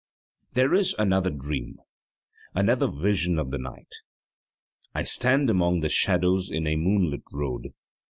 < 6 > There is another dream, another vision of the night. I stand among the shadows in a moonlit road.